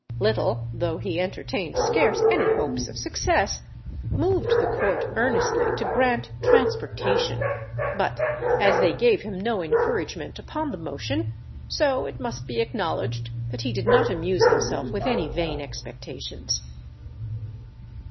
Little, though he entertained scarce any hopes of success, moved the Court earnestly to grant transportation; but as they gave him no encouragement upon the motion, so it must be acknowledged that he did not amuse himself with any vain expectations.